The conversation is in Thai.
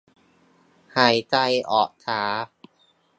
หายใจออกช้า